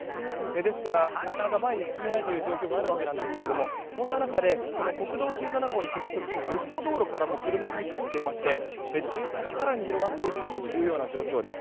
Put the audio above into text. ですから、なかなか前に進めない状況があるわけなんですがそんな中で国道１７号に接続する別の道路からも車が入ってきていまして渋滞は更に広がっているような状況です。